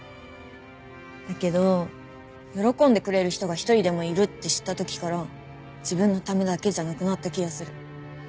だけど喜んでくれる人が一人でもいるって知った時から自分のためだけじゃなくなった気がする。